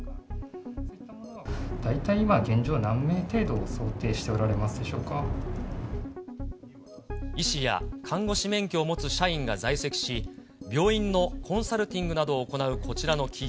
大体今、現状何名程度、医師や看護師免許を持つ社員が在籍し、病院のコンサルティングなどを行うこちらの企業。